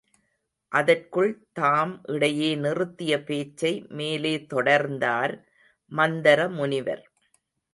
அதற்குள் தாம் இடையே நிறுத்திய பேச்சை மேலே தொடர்ந்தார் மந்தர முனிவர்.